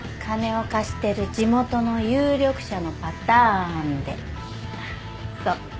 金を貸してる地元の有力者のパターンで。